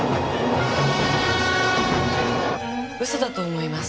うそだと思います。